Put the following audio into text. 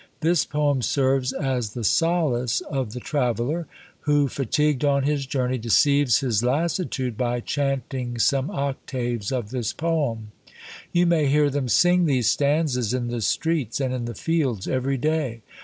This poem serves as the solace of the traveller, who fatigued on his journey deceives his lassitude by chanting some octaves of this poem. You may hear them sing these stanzas in the streets and in the fields every day."